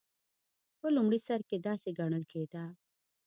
په لومړي سر کې داسې ګڼل کېده.